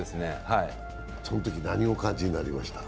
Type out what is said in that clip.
そのとき何をお感じになりました？